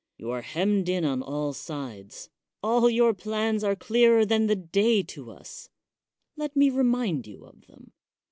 You are hemmed in on all sides; all your plans are clearer than the day to us; let me remind you of them.